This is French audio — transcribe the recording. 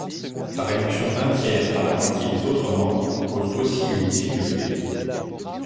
La réduction d’un tiers à la moitié des autres membres pose aussi une difficulté.